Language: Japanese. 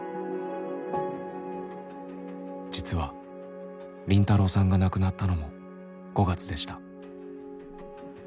実は凜太郎さんが亡くなったのも５月でした。